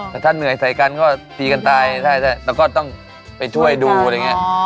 แต่ถ้าเหนื่อยใส่กันก็ตีกันตายแล้วก็ต้องไปช่วยดูอะไรอย่างนี้